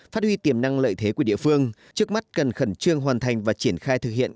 phát huy tiềm năng lợi thế của địa phương trước mắt cần khẩn trương hoàn thành và triển khai thực hiện